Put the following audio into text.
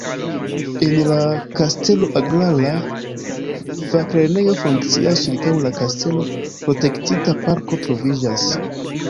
En la kastelo agrara faklernejo funkcias, ĉirkaŭ la kastelo protektita parko troviĝas.